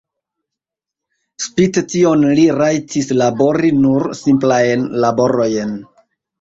Spite tion li rajtis labori nur simplajn laborojn.